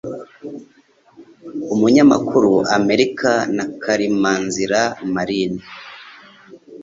umunyamakuru Amerika na KALIMANZIRA Marine .